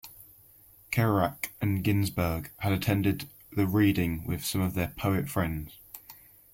Kerouac and Ginsberg had attended the reading with some of their poet friends.